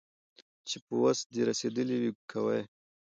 چي په وس دي رسېدلي وي كوه يې